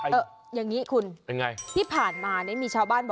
เห้ยอย่างนี้คุณที่ผ่านมามีชาวบ้านบอกว่า